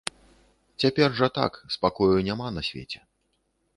Цяпер жа так, спакою няма на свеце.